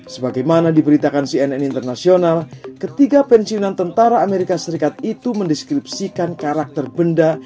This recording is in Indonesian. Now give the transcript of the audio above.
sebagaimana diberitakan cnn internasional ketiga pensiunan tentara amerika serikat itu mendeskripsikan karakter benda